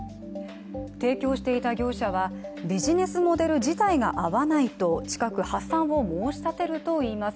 提供していた業者はビジネスモデル自体が合わないと近く破産を申し立てるといいます。